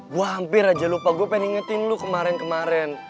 gue hampir aja lupa gue pengen ngingetin lu kemaren kemaren